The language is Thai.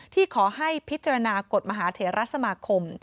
ที่ขอให้พิจารณากฎมหาเถระสมาคม